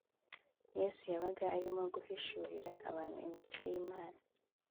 yesu yabaga arimo guhishurira abantu imico y’imana